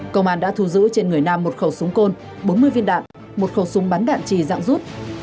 công an đã thu giữ trên người nam một khẩu súng côn bốn mươi viên đạn một khẩu súng bắn đạn trì dạng rút